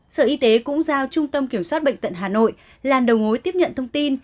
sở y tế cũng giao trung tâm kiểm soát bệnh tận hà nội làm đầu mối tiếp nhận thông tin